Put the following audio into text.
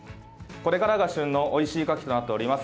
これからが旬のおいしいカキとなっております。